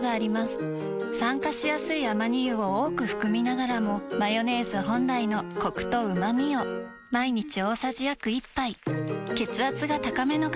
酸化しやすいアマニ油を多く含みながらもマヨネーズ本来のコクとうまみを毎日大さじ約１杯血圧が高めの方に機能性表示食品